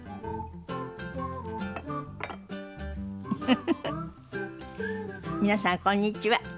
フフフフ皆さんこんにちは。